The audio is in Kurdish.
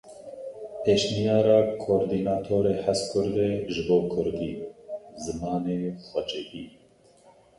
Pêşniyara Kordînatorê HezKurdê ji bo Kurdî: Zimanê xwecihî.